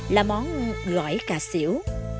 là món gỏi cà xỉu